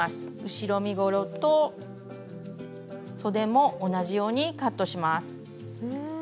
後ろ身ごろとそでも同じようにカットします。